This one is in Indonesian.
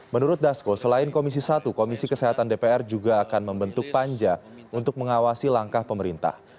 menurut dasko selain komisi satu komisi kesehatan dpr juga akan membentuk panja untuk mengawasi langkah pemerintah